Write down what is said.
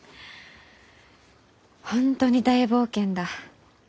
本当に大冒険だ。